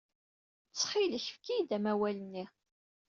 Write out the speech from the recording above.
Ttxil-k, efk-iyi-d amawal-nni.